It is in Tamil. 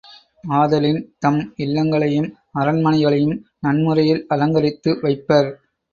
ஆதலின், தம் இல்லங்களையும் அரண்மனைளையும் நன்முறையில் அலங்கரித்து வைப்பர்.